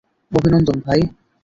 অভিনন্দন, ভাই!